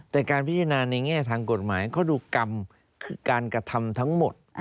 แต่การพิจารณาในแง่ทางกฎหมายเขาดูกรรมคือการกระทำทั้งหมด